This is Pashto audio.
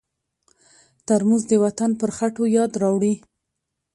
ترموز د وطن پر خټو یاد راوړي.